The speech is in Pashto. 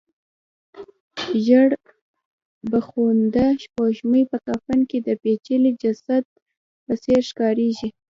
زېړبخونده سپوږمۍ په کفن کې د پېچلي جسد په څېر ښکاریږي.